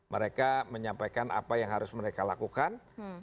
mereka menyampaikan apa yang harus mereka lakukan